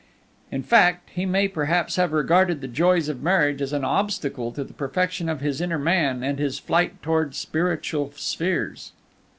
In fact, he may perhaps have regarded the joys of marriage as an obstacle to the perfection of his inner man and his flight towards spiritual spheres."